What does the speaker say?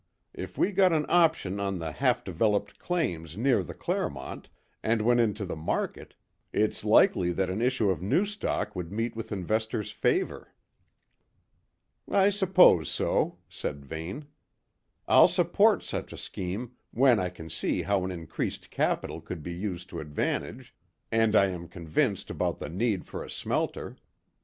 If we got an option on the half developed claims near the Clermont and went into the market, it's likely that an issue of new stock would meet with investors' favour." "I suppose so," said Vane. "I'll support such a scheme, when I can see how an increased capital could be used to advantage and I am convinced about the need for a smelter.